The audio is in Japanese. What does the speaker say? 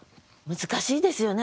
難しいですよね